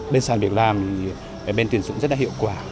bên sản việc làm thì bên tuyển dụng rất là hiệu quả